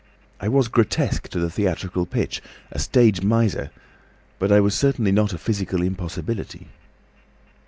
I was grotesque to the theatrical pitch, a stage miser, but I was certainly not a physical impossibility.